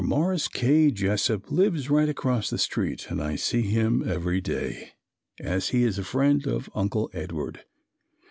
Morris K. Jesup lives right across the street and I see him every day, as he is a friend of Uncle Edward.